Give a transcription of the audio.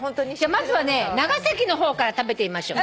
まずはね長崎の方から食べてみましょう。